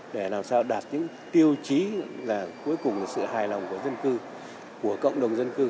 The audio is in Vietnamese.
để làm sao đạt những tiêu chí là cuối cùng là sự hài lòng của dân cư của cộng đồng dân cư